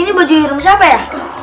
ini baju ihram siapa ya